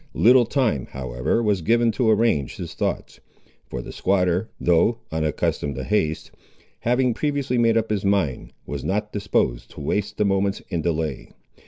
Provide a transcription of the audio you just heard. Little time, however, was given to arrange his thoughts; for the squatter, though unaccustomed to haste, having previously made up his mind, was not disposed to waste the moments in delay.